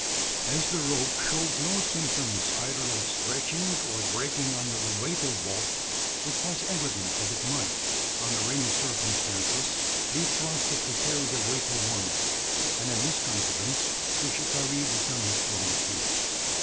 As the rope showed no symptoms either of stretching or breaking under the weight of both, it was evident that it might, under any circumstances, be trusted to carry the weight of one; and in this confidence, the shikaree descended from the tree.